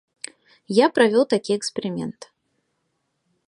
Я правёў такі эксперымент.